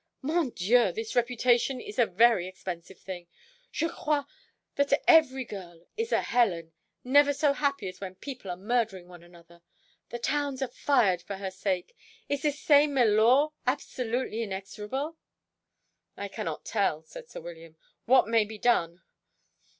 "Mon Dieu! this reputation is a very expensive thing. Je crois that every girl is a Helen, never so happy as when people are murdering one another, and towns are fired for her sake. Is this same milord absolutely inexorable?" "I cannot tell," said sir William, "what may be done.